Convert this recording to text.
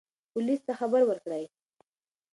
پولیس ته خبر ورکړئ.